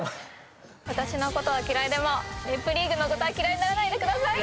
私のことは嫌いでも『ネプリーグ』のことは嫌いにならないでください！